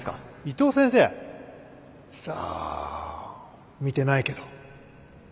さあ見てないけど。